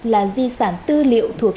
là di sản tư liệu thuộc